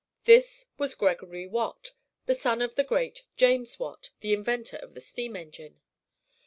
This was Gregory Watt, a son of the great James Watt, the inventor of the steam engine.